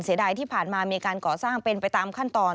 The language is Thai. เสียดายที่ผ่านมามีการก่อสร้างเป็นไปตามขั้นตอน